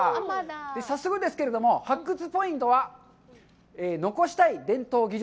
早速ですけれども、発掘ポイントは、残したい伝統技術！